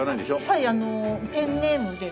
はいペンネームで。